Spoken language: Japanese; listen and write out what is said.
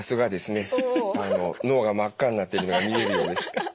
脳が真っ赤になってるのが見えるようです。